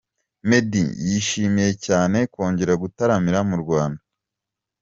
Meddy yishimiye cyane kongera gutaramira mu Rwanda.